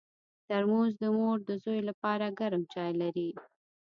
ترموز د مور د زوی لپاره ګرم چای لري.